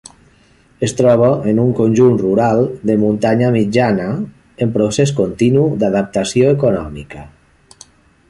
Es troba en un conjunt rural de muntanya mitjana, en procés continu d'adaptació econòmica.